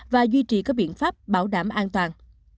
và duy trì các biện pháp bảo đảm an toàn